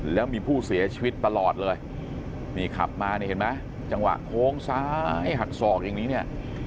แล้วมีผู้เสียชีวิตตลอดเลยนี่ขับมาเนี่ยเห็นไหมจังหวะโค้งซ้ายหักศอกอย่างนี้เนี่ย